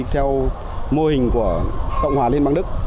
theo mô hình của cộng hòa liên bang đức